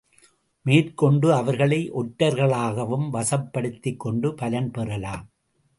மேற்கொண்டு அவர்களை ஒற்றர்களாகவும் வசப்படுத்திக் கொண்டு பலன் பெறலாம்.